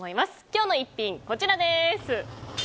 今日の逸品、こちらです。